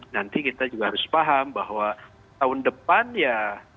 nanti kita juga harus paham bahwa tahun depan ya